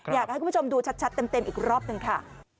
อยากให้คุณผู้ชมดูชัดเต็มอีกรอบหนึ่งค่ะ